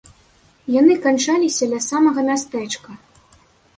Яны канчаліся ля самага мястэчка.